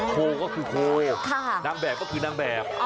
โคก็คือโคนางแบบก็คือนางแบบ